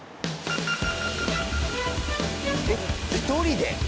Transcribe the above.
えっ１人で？